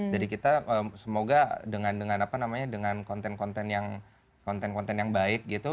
jadi kita semoga dengan dengan apa namanya dengan konten konten yang konten konten yang baik gitu